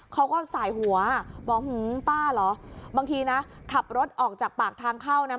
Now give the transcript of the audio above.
เขาก็สายหัวบอกหือป้าเหรอบางทีนะขับรถออกจากปากทางเข้านะ